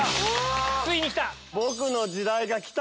ついに来た！